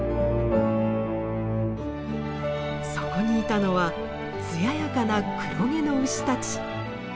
そこにいたのは艶やかな黒毛の牛たち。